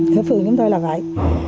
thế phường chúng tôi là vậy